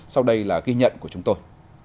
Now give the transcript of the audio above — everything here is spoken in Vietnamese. sau đây là ghi nhận của chúng tôi